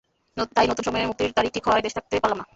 তাই নতুন সময়ে মুক্তির তারিখ ঠিক হওয়ায় দেশে থাকতে পারলাম না।